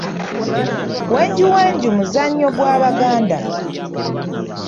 Wenjuwenju muzannyo gwa Baganda.